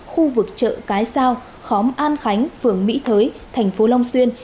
khu vực chợ cái sao khóm an khánh phường mỹ thới tp long xuyên